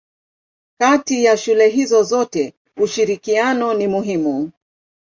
Kati ya shule hizo zote ushirikiano ni muhimu.